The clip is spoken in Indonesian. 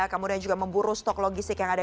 kemudian juga memburu stok logistik